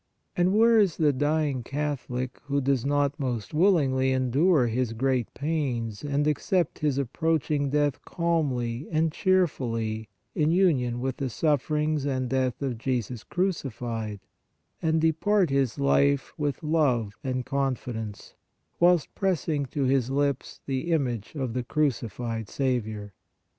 And where is the dying Catholic who does not most willingly endure his great pains and accept his approaching death calmly and cheerfully in union with the sufferings and death of Jesus crucified, and depart this life with love and confidence, whilst pressing to his lips the image of the crucified Sav iour?